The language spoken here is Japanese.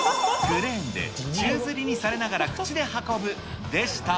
クレーンで宙づりにされながら口で運ぶでした。